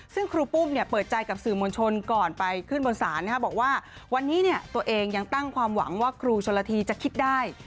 ซึ่งครูปุ้มเปิดใจกับสื่อมวลชนก่อนไปขึ้นบนศาลบอกว่าวันนี้ตัวเองยังตั้งความหวังว่าครูชนละทีจะคิดได้